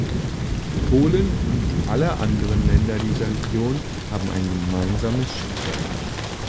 Polen und alle anderen Länder dieser Region haben ein gemeinsames Schicksal.